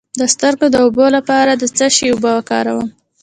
د سترګو د اوبو لپاره د څه شي اوبه وکاروم؟